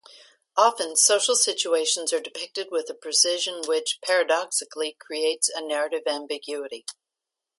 Often, social situations are depicted with a precision which, paradoxically, creates a narrative ambiguity.